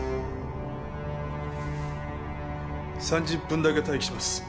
３０分だけ待機します。